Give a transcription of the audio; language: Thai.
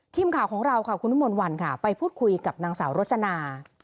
ทีมข่าวของเราค่ะคุณวิมนต์วันค่ะไปพูดคุยกับนางสาวรจนา